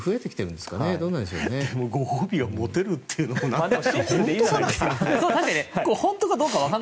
でも、ご褒美がモテるっていうのも本当かな？